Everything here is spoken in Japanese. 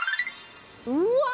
うわ！